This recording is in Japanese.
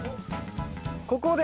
ここで。